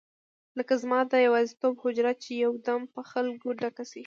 لکه زما د یوازیتوب حجره چې یو دم په خلکو ډکه شي.